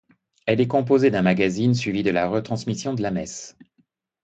Elle est composée d'un magazine suivi de la retransmission de la messe.